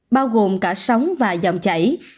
bao gồm cả sóng và dòng chảy